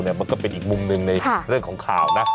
มันก็เป็นอีกมุมหนึ่งในเรื่องของข่าวนะ